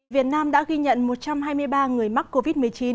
việt nam đã ghi nhận một trăm hai mươi ba người mắc covid một mươi chín